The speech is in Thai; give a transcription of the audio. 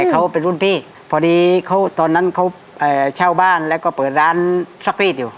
เขาเป็นรุ่นพี่พอดีเขาตอนนั้นเขาเช่าบ้านแล้วก็เปิดร้านซักรีดอยู่